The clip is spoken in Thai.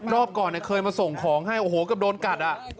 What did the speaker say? รอบก่อนเคยมาส่งของให้โอ้โฮก็โดนกัด